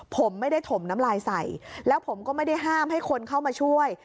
ผมไม่ได้ถมน้ำลายใส่แล้วผมก็ไม่ได้ห้ามให้คนเข้ามาช่วย